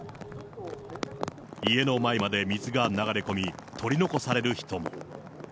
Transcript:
家の前まで水が流れ込み、取り残される人も。